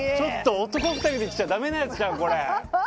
男２人で来ちゃダメなやつじゃんこれ。